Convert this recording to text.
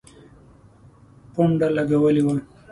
پونډه لګولي وه.